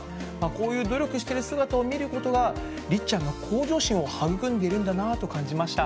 こういう努力している姿を見ることは、りっちゃんが向上心を育んでいるんだなと感じました。